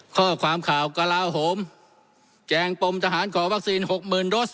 ข้อความข่าวกระลาโหมแจงปมทหารก่อวัคซีนหกหมื่นโดส